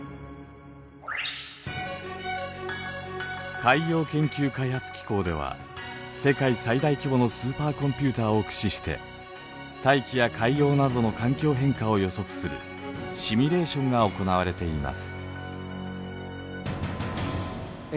海洋研究開発機構では世界最大規模のスーパーコンピューターを駆使して大気や海洋などの環境変化を予測するシミュレーションが行われています。